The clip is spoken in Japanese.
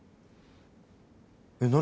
えっ？何？